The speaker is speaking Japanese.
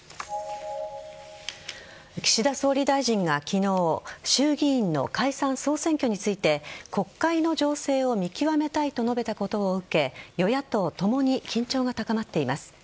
岸田総理大臣が昨日衆議院の解散総選挙について国会の情勢を見極めたいと述べたことを受け与野党ともに緊張が高まっています。